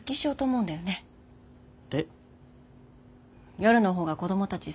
夜の方が子供たち少ない